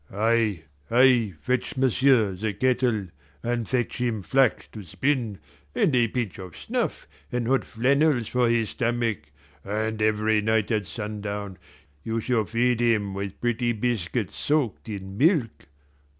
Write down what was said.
"Ay, ay, fetch m'sieu' the kettle, and fetch him flax to spin, and a pinch of snuff, and hot flannels for his stomach, and every night at sundown you shall feed him with pretty biscuits soaked in milk.